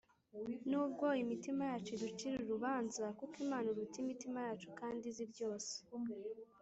nubwo imitima yacu iducira urubanza, kuko Imana iruta imitima yacu kandi izi byose.